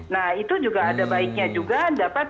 nah itu juga ada baiknya juga dapat